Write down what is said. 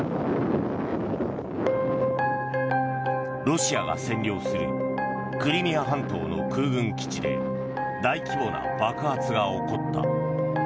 ロシアが占領するクリミア半島の空軍基地で大規模な爆発が起こった。